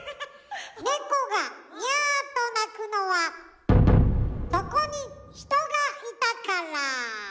ネコがニャーと鳴くのはそこに人がいたから。